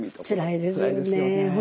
つらいですよね。